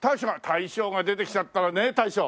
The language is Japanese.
大将が出てきちゃったわね大将。